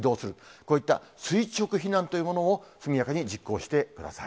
こういった垂直避難というものを速やかに実行してください。